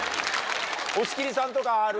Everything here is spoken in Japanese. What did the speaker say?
押切さんとかある？